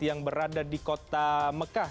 yang berada di kota mekah